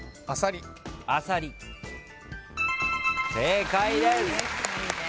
正解です。